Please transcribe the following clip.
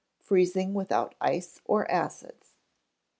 Freezing without Ice or Acids.